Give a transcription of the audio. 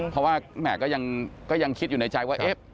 เพราะว่าแหม่ก็ยังคิดอยู่ในใจว่าเอ๊ะ